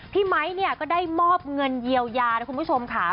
ไมค์เนี่ยก็ได้มอบเงินเยียวยานะคุณผู้ชมค่ะ